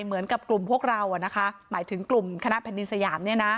เหมือนกับกลุ่มพวกเราหมายถึงกลุ่มคณะแผ่นดินสยาม